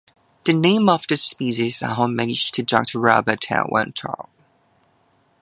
The name of the species is a homage to Doctor Robert L. Weintraub.